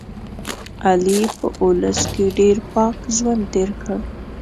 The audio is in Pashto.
علي په اولس کې ډېر پاک ژوند تېر کړ.